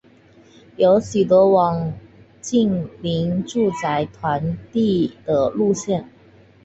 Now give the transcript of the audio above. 有许多网近邻住宅团地的路线。